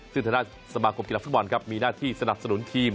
ซึ่งทางด้านสมาคมกีฬาฟุตบอลครับมีหน้าที่สนับสนุนทีม